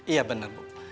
iya bener dok